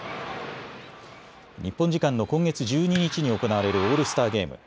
日本時間の今月１２日に行われるオールスターゲーム。